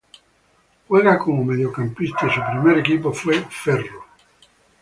Juega como mediocampista y su primer equipo fue Ferro.